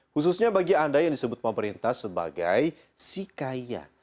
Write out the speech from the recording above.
khususnya bagi anda yang disebut pemerintah sebagai si kaya